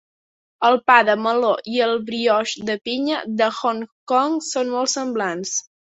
El pa de meló i el brioix de pinya de Hong Kong són molt semblants.